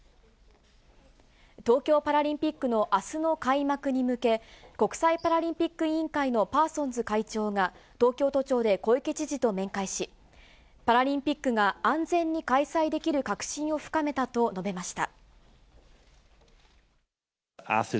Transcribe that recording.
東京パラリンピックのあすの開幕に向け、国際パラリンピック委員会のパーソンズ会長が、東京都庁で小池知事と面会し、パラリンピックが安全に開催できる確信を深めたと述べました。